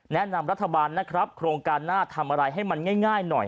แนะนำรัฐบาลนะครับโครงการหน้าทำอะไรให้มันง่ายหน่อย